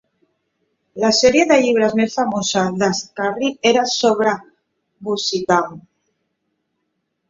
La sèrie de llibres més famosa de Scarry era sobre Busytown.